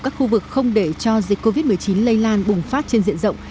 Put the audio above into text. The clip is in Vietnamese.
các khu vực không để cho dịch covid một mươi chín lây lan bùng phát trên diện rộng